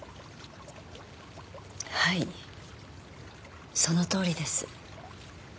はいそのとおりです。